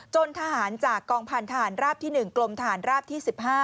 ทหารจากกองพันธหารราบที่๑กลมทหารราบที่๑๕